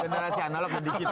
generasi analog lebih digital